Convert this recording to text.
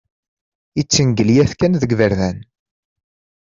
Ittengelyat kan deg iberdan.